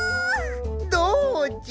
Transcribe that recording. どうじゃ！